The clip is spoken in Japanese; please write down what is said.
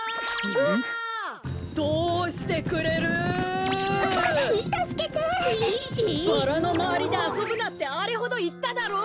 バラのまわりであそぶなってあれほどいっただろう。